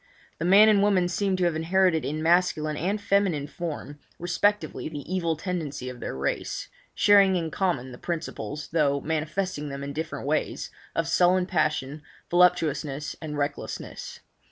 The man and woman seemed to have inherited in masculine and feminine form respectively the evil tendency of their race, sharing in common the principles, though manifesting them in different ways, of sullen passion, voluptuousness and recklessness.